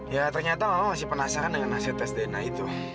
ya ternyata orang masih penasaran dengan hasil tes dna itu